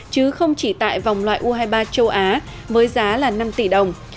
chứ không chỉ tại vòng loại u hai mươi ba châu á với giá là năm tỷ đồng